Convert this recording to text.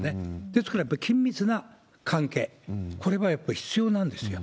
ですから、やっぱり緊密な関係、これはやっぱり必要なんですよ。